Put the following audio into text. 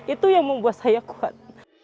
itu yang membuat saya kuat